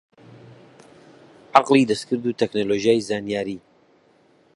عەقڵی دەستکرد و تەکنۆلۆژیای زانیاری